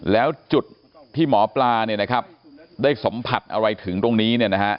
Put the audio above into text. แล้วจุดที่หมอปลาได้สัมผัสอะไรถึงตรงนี้